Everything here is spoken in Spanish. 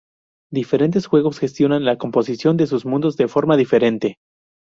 Diferentes juegos gestionan la composición de sus mundos de forma diferente.